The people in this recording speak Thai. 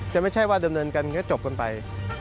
ไม่ใช่ว่าดำเนินกันก็จบกันไป